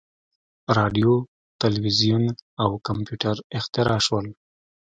• راډیو، تلویزیون او کمپیوټر اختراع شول.